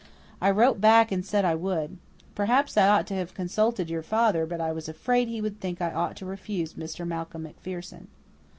I wrote back and said I would. Perhaps I ought to have consulted your father, but I was afraid he would think I ought to refuse Mr. Malcolm MacPherson."